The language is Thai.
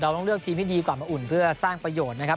ต้องเลือกทีมให้ดีกว่ามาอุ่นเพื่อสร้างประโยชน์นะครับ